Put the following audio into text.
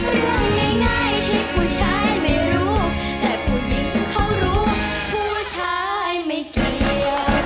เรื่องง่ายที่ผู้ชายไม่รู้แต่ผู้หญิงเขารู้ผู้ชายไม่เกลียด